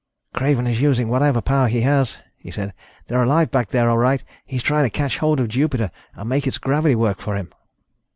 "Craven is using whatever power he has," he said. "They're alive back there, all right. He's trying to catch hold of Jupiter and make its gravity work for him."